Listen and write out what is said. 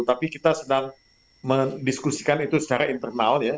tapi kita sedang mendiskusikan itu secara internal ya